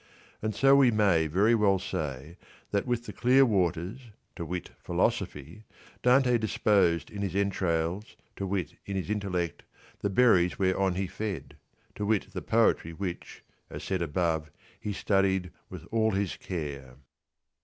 And so w^e may very well say that with the clear waters, to wit philosophy, Dante disposed in his entrails, to wit in his intellect, the berries whereon he fed, to wit the poetry which, as said above, he studied with all his care.